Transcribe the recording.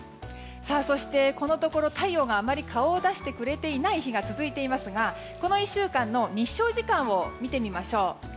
そして、このところ太陽があまり顔を出してくれていない日が続いていますがこの１週間の日照時間を見てみましょう。